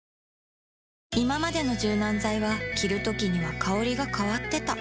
いままでの柔軟剤は着るときには香りが変わってた